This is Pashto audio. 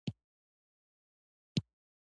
غله دانه یوازې خواړه نه دي.